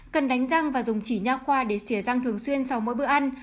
cần đánh răng và dùng chỉ nha khoa để xìa răng thường xuyên sau mỗi bữa ăn